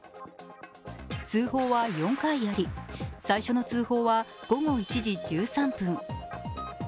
通報は４回あり、最初の通報は午後１時１３分。